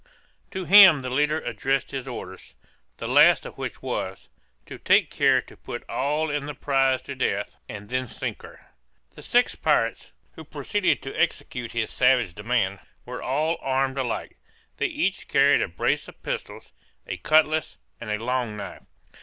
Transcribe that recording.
To him the leader addressed his orders, the last of which was, to take care to put all in the prize to death, and then sink her. The six pirates, who proceeded to execute his savage demand, were all armed alike, they each carried a brace of pistols, a cutlass and a long knife.